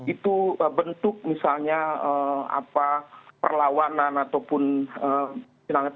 itu bentuk misalnya perlawanan ataupun silakan